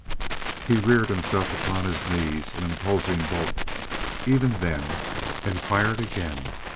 He reared himself upon his knees an imposing bulk, even then, and fired again.